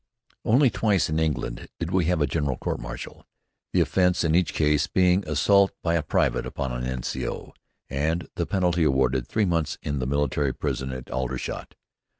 Only twice in England did we have a general court martial, the offense in each case being assault by a private upon an N.C.O., and the penalty awarded, three months in the military prison at Aldershot.